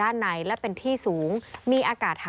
อากาศที่นี่อากาศค่ะ